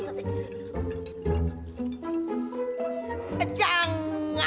cepet banget abisnya